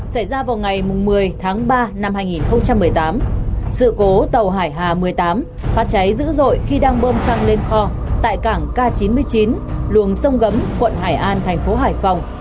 xảy ra vào ngày một mươi tháng ba năm hai nghìn một mươi tám sự cố tàu hải hà một mươi tám phát cháy dữ dội khi đang bơm xăng lên kho tại cảng k chín mươi chín luồng sông gấm quận hải an thành phố hải phòng